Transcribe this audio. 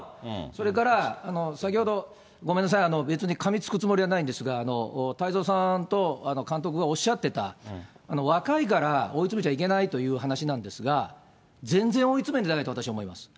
それから先ほど、ごめんなさい、別にかみつくつもりはないんですが、太蔵さんと監督がおっしゃってた、若いから追い詰めちゃいけないという話なんですが、全然追い詰めてないと、私は思います。